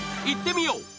いってみよう！